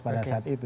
pada saat itu